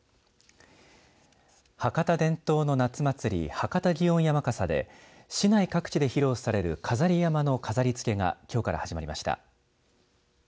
博多祇園山笠で市内各地で披露される飾り山笠の飾りつけがきょうから始まりました。